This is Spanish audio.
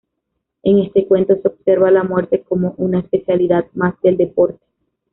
En este cuento, se observa la muerte como una especialidad más del deporte.